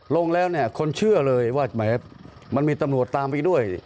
ลงแล้วเนี่ยคนเชื่อเลยว่าแหมมันมีตำรวจตามไปด้วย